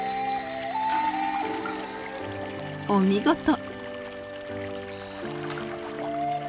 お見事！